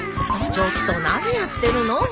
ちょっと何やってるのもう。